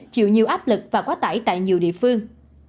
chịu nhiều áp lực và quá tải tại nhiều địa phương